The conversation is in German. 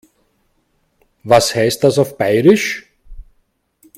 Was heißt das auf Bairisch?